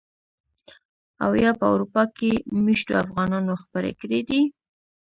او يا په اروپا کې مېشتو افغانانو خپرې کړي دي.